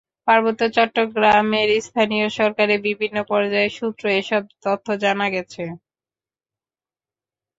পার্বত্য চট্টগ্রামের স্থানীয় সরকারের বিভিন্ন পর্যায়ের সূত্রে এসব তথ্য জানা গেছে।